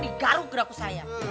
dikaruk geraku saya